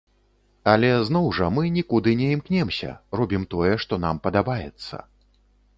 Але зноў жа, мы нікуды не імкнёмся, робім тое, што нам падабаецца.